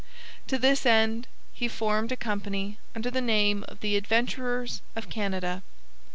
To this end he formed a company under the name of the Adventurers of Canada.